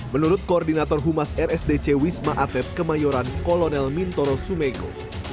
menurut koordinator humas rsdc wisma atlet kemayoran kolonel mintoro sumego